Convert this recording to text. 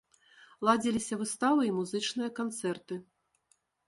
Ладзіліся выставы і музычныя канцэрты.